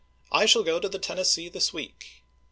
I shall go to the Tennessee this week."